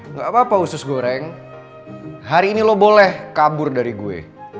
nggak apa apa usus goreng hari ini lo boleh kabur dari gue